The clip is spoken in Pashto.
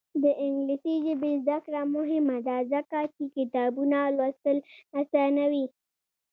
د انګلیسي ژبې زده کړه مهمه ده ځکه چې کتابونه لوستل اسانوي.